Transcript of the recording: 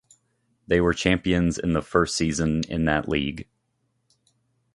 They were champions in the first season in that league.